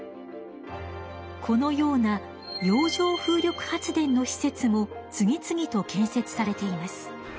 このような洋上風力発電の施設も次々と建設されています。